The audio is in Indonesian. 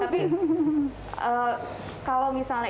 tapi kalau misalnya